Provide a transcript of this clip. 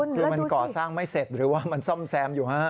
คือมันก่อสร้างไม่เสร็จหรือว่ามันซ่อมแซมอยู่ฮะ